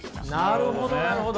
なるほどなるほど。